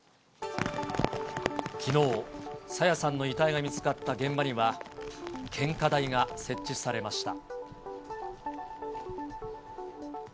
きのう、朝芽さんの遺体が見つかった現場には、献花台が設置されました。